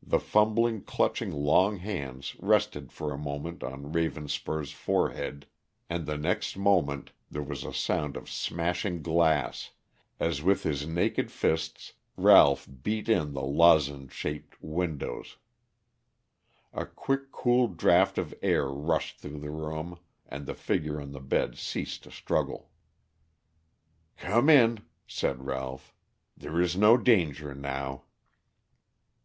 The fumbling clutching long hands rested for a moment on Ravenspur's forehead, and the next moment there was a sound of smashing glass, as with his naked fists Ralph beat in the lozenge shaped windows. A quick cool draught of air rushed through the room, and the figure on the bed ceased to struggle. "Come in," said Ralph. "There is no danger now."